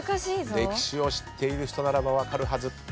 歴史を知っている人ならば分かるはず。